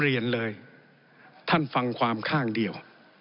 เรียนเลยท่านฟังความข้างเดียว